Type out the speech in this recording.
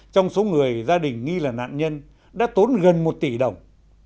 trong số người gia đình nghi là nạn nhân đã tốn gần một tỷ đồng